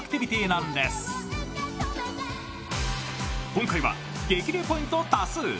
今回は激流ポイント多数。